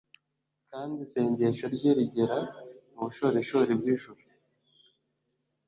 kandi isengesho rye rigera mu bushorishori bw'ijuru